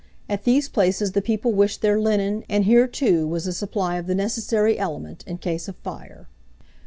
At these places the people wished their linen; and here, too, was a supply of the necessary element in case of fire.